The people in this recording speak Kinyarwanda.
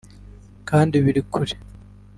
Kandi birekure